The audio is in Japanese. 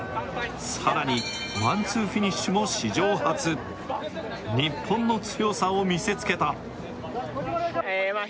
さらにワンツーフィニッシュも史上初日本の強さを見せつけたええまあ